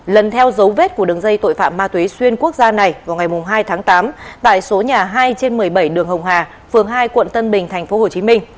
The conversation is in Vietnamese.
lần theo dấu vết của đường dây tội phạm ma túy xuyên quốc gia này vào ngày hai tháng tám tại số nhà hai trên một mươi bảy đường hồng hà phường hai quận tân bình tp hcm